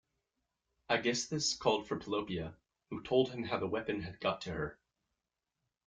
Aegisthus called for Pelopia, who told him how the weapon had got to her.